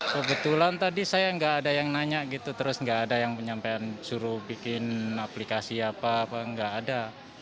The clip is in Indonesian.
kebetulan tadi saya nggak ada yang nanya gitu terus nggak ada yang penyampaian suruh bikin aplikasi apa apa nggak ada